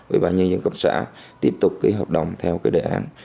ủy ban nhân dân cấp xã tiếp tục ký hợp đồng theo cái đề án